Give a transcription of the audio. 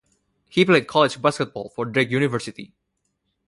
He played college basketball for Drake University.